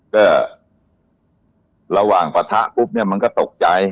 ก็ระหว่างปะทะปุ๊บเนี่ยมันก็ตกใจ